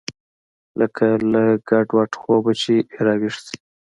لکه له ګډوډ خوبه چې راويښ سې.